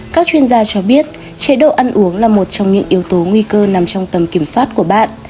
các chuyên gia cho biết chế độ ăn uống là một trong những yếu tố nguy cơ nằm trong tầm kiểm soát của bạn